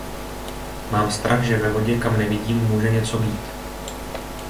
Mám strach že ve vodě kam nevidím může něco být.